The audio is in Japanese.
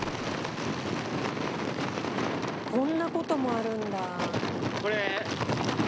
「こんな事もあるんだ」